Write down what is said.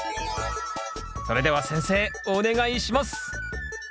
それでは先生お願いします